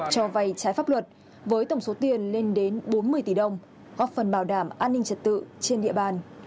cho vay trái pháp luật với tổng số tiền lên đến bốn mươi tỷ đồng góp phần bảo đảm an ninh trật tự trên địa bàn